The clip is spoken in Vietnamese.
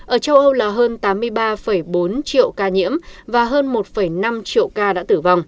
ở châu âu là hơn tám mươi ba bốn triệu ca nhiễm và hơn một năm triệu ca